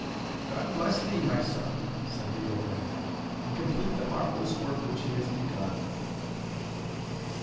"God bless thee, my son," said the old man, "and complete the marvellous work which he has begun."